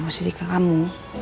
positif ke kamu